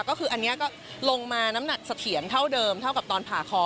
ก็คืออันนี้ก็ลงมาน้ำหนักเสถียรเท่าเดิมเท่ากับตอนผ่าคอ